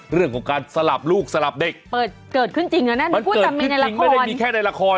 เรื่องของการสลับลูกสลับเด็กเกิดขึ้นจริงแล้วนะมันเกิดขึ้นจริงไม่ได้มีแค่ในละคร